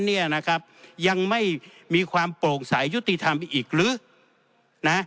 เนี่ยนะครับยังไม่มีความโปร่งสายยุติธรรมอีกหรือนะ